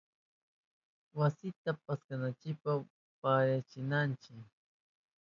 Wasita paskananchipa parintillanchi.